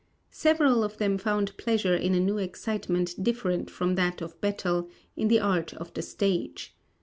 Several of them found pleasure in a new excitement different from that of battle, in the art of the stage.